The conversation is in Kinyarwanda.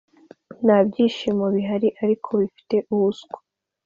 nta byishimo bihari ariko bifite ubuswa